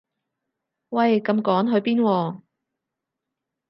喂咁趕去邊喎